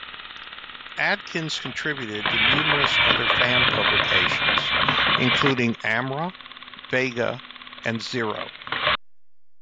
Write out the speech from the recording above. Adkins contributed to numerous other fan publications, including "Amra", "Vega" and "Xero".